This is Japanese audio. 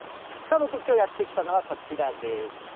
僕きょうやって来たのはこちらです。